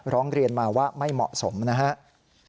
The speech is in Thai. ร้องเรียนมาว่าไม่เหมาะสมนะครับ